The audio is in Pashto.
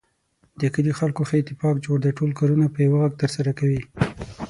د کلي خلکو ښه اتفاق جوړ دی. ټول کارونه په یوه غږ ترسره کوي.